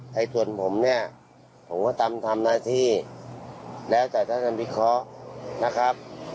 ในส่วนผมเนี่ยผมก็ทำทำหน้าที่แล้วแต่ถ้าท่านวิเคราะห์นะครับ